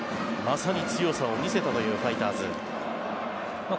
まさに強さを見せたというファイターズ。